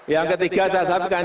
yang ketiga saya sampaikan